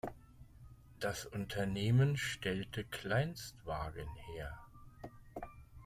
Das Unternehmen stellte Kleinstwagen her.